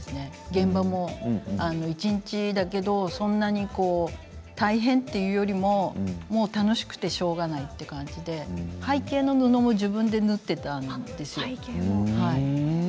現場も一日だけどそんなに大変というよりも楽しくてしょうがないという感じで背景の布も自分で縫っていたんですよ。